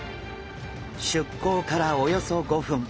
出港からおよそ５分。